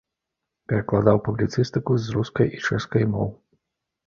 Перакладаў публіцыстыку з рускай і чэшскай моў.